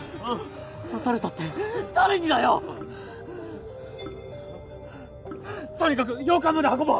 刺されたって誰にとにかく洋館まで運ぼう！